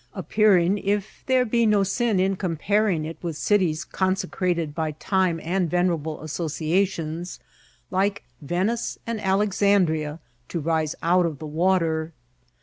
11 mppearing, if there be no nn in comparing it with cities eonseerated by time and venerable asaociations, like Venice and Alexandrea, to rise out ci the water.